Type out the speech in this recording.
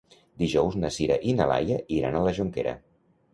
Dijous na Sira i na Laia iran a la Jonquera.